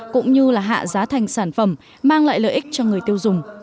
cũng như là hạ giá thành sản phẩm mang lại lợi ích cho người tiêu dùng